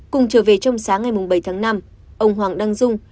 cùng trở về trong sáng ngày bảy tháng năm ông hoàng đăng dung